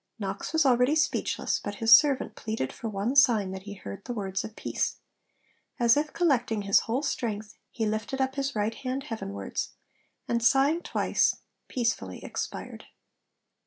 Knox was already speechless, but his servant pleaded for one sign that he heard the words of peace. As if collecting his whole strength, he lifted up his right hand heavenwards, and sighing twice, peacefully expired.